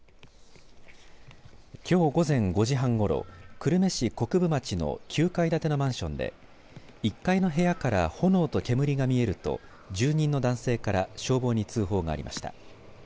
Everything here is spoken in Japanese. きょう午前５時半ごろ久留米市国分町の９階建てのマンションで１階の部屋から炎と煙が見えると住民の男性から消防に通報がありました。